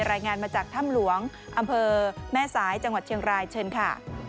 รายงานมาจากถ้ำหลวงอำเภอแม่สายจังหวัดเชียงรายเชิญค่ะ